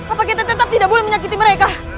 apa kita tetap tidak boleh menyakiti mereka